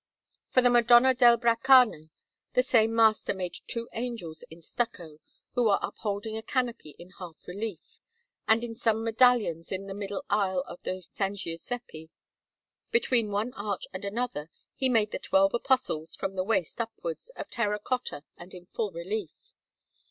For the Madonna del Baracane the same master made two Angels in stucco, who are upholding a canopy in half relief; and in some medallions in the middle aisle of S. Giuseppe, between one arch and another, he made the twelve Apostles from the waist upwards, of terra cotta and in full relief.